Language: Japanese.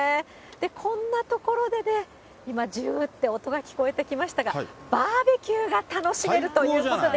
こんなところでね、今、じゅーって音が聞こえてきましたが、バーベキューが楽しめるということで。